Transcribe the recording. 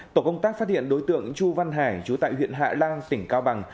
tổ công tác phát hiện đối tượng chu văn hải chú tại huyện hạ lan tỉnh cao bằng